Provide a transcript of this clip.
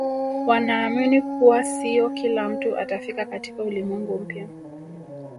wanaamini kuwa siyo kila mtu atafika katika ulimwengu mpya